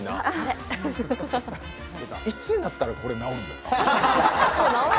いつになったらこれ、なおるんですか？